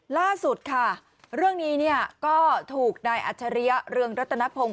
ล่าสุดค่ะเรื่องนี้เนี่ยก็ถูกนายอัจฉริยะเรืองรัตนพงศ